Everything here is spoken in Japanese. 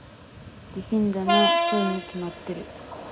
下品だなぁ、そうに決まってる